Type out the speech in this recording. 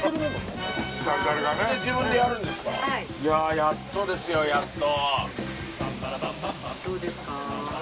やっとですよやっと。